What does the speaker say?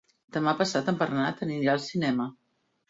Demà passat en Bernat anirà al cinema.